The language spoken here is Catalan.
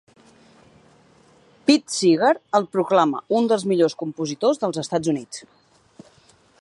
Pete Seeger el proclama "un dels millors compositors dels Estats Units".